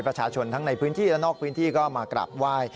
ประชาชนทั้งในพื้นที่และนอกพื้นที่ก็มากราบไหว้